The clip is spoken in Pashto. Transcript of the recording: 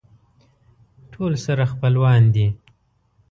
ټول سره خپلوان دي.